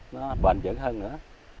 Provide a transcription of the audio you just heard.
nó bền dữ hơn nữa